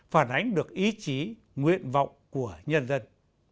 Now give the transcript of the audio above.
phản ánh được ý chí nguyện vọng của nhân dân